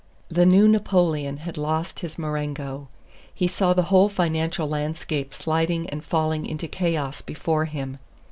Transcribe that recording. The new Napoleon had lost his Marengo. He saw the whole financial landscape sliding and falling into chaos before him.